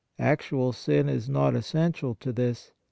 Actual sin is not essential to this.